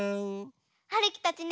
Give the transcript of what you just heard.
はるきたちね